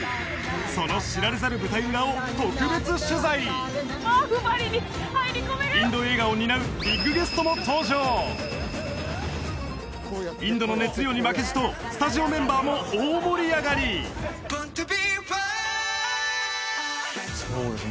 その知られざる舞台裏を特別取材インド映画を担うビッグゲストも登場インドの熱量に負けじとスタジオメンバーも大盛り上がりそうですね